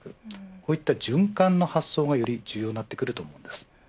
こういった循環の発想がより重要になってくると思うんです。